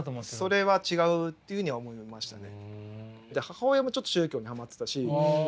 それは違うっていうふうには思いましたね。